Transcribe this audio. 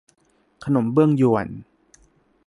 ขนมเบื้องญวน